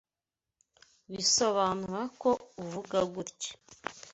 Bisobanura ko uvuga gutya.